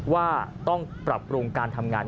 ว่าต้องปรับปรุงการทำงาน